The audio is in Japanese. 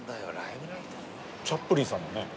チャップリンさんだね。